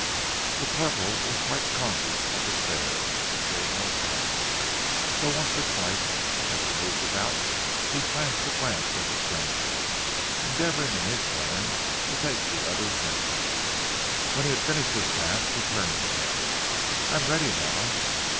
The corporal was quite conscious of the stare, but gave no sign of it, though once or twice as he moved about, he flashed a glance at the stranger, endeavouring in his turn to take the other's measure. When he had finished his task he turned to him. "I am ready now."